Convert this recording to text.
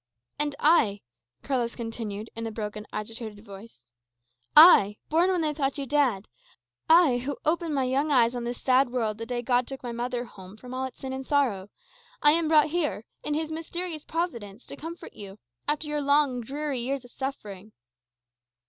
"And I," Carlos continued, in a broken, agitated voice "I, born when they thought you dead I, who opened my young eyes on this sad world the day God took my mother home from all its sin and sorrow I am brought here, in his mysterious providence, to comfort you, after your long dreary years of suffering."